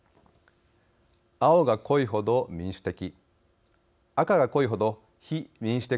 青が濃い程、民主的。